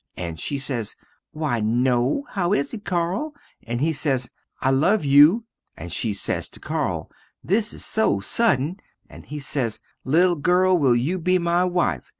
and she sez, why no how is it Carl? and he sez I love you, and she sez to Carl, this is so suddin, and he sez, little girl will you be my wife?